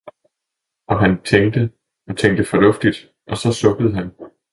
– og han tænkte – og tænkte fornuftigt, og så sukkede han.